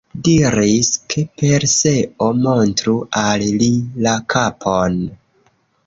Diris, ke Perseo montru al li la kapon.